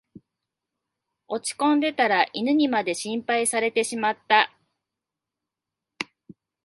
落ちこんでたら犬にまで心配されてしまった